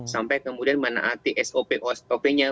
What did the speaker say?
sampai kemudian menaati sop nya